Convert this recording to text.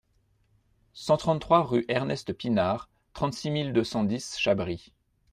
cent trente-trois rue Ernest Pinard, trente-six mille deux cent dix Chabris